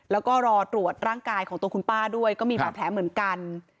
แล้วก็รอตรวจร่างกายของตัวคุณป้าด้วยก็มีบาดแผลเหมือนกัน